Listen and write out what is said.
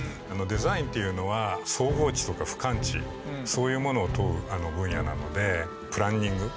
デザインっていうのは総合値とか俯瞰値そういうものを問う分野なのでプランニング。